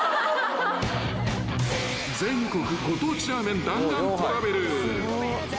［全国ご当地ラーメン弾丸トラベル］